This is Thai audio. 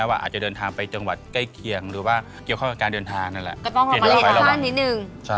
ใช่อ๋อโอเคนะคะต่อไปขารปีมาเสงครับฮ่าตอบอังนิดนึงนะฮะ